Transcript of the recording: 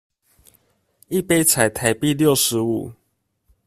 一杯才台幣六十五